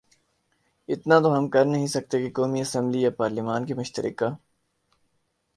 اتنا تو ہم کرنہیں سکتے کہ قومی اسمبلی یا پارلیمان کے مشترکہ